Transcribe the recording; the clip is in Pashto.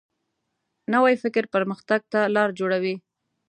نوی فکر پرمختګ ته لاره جوړوي